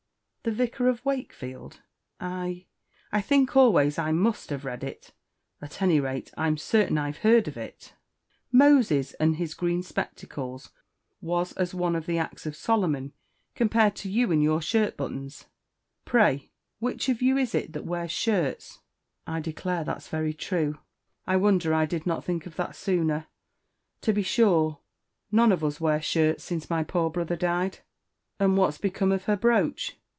'" "The 'Vicar of Wakefield?' I I think always I must have read it: at any rate, I'm certain I've heard of it." "Moses and his green spectacles was as one of the acts of Solomon compared to you and your shirtbuttons. Pray, which of you is it that wears shirts?" "I declare that's very true I wonder I did not think of that sooner to be sure, none us wear shirts since my poor brother died." "And what's become of her brooch?"